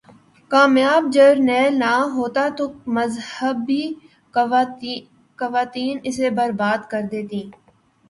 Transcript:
کامیاب جرنیل نہ ہوتا تو مذہبی قوتیں اسے برباد کر دیتیں۔